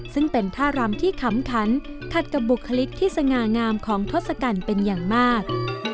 ซึ่งเป็นท่ารำที่ขำขันขัดกับบุคลิกที่สง่างามของทศกัณฐ์เป็นอย่างมาก